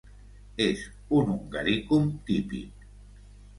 És un Hungarikum típic.